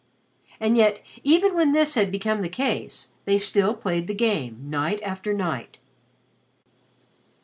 And yet even when this had become the case, they still played the game night after night.